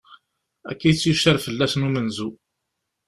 Akka i tt-icar fell-asen umenzu.